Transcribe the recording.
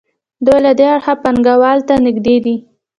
دوی له دې اړخه پانګوال ته نږدې دي.